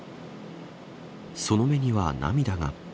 その目には涙が。